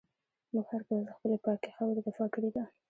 موږ هر کله له خپلي پاکي خاوري دفاع کړې ده.